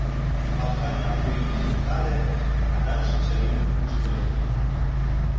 Патканов вуйым нӧлтале, адак шинчавӱдым ӱштыльӧ.